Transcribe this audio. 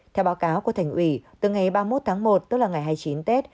theo báo cáo của thành ủy từ ngày ba mươi một tháng một tức là ngày hai mươi chín tết